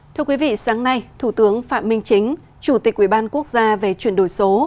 thưa quý vị sáng nay thủ tướng phạm minh chính chủ tịch ubnd quốc gia về chuyển đổi số